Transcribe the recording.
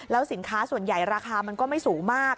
สินค้าส่วนใหญ่ราคามันก็ไม่สูงมาก